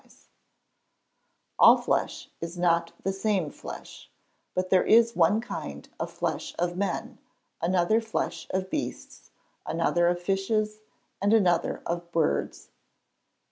[Verse: "All flesh is not the same flesh: but there is one kind of flesh of men, another flesh of beasts, another of fishes, and another of birds."